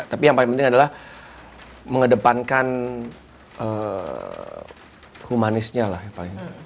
tapi yang paling penting adalah mengedepankan humanisnya lah yang paling penting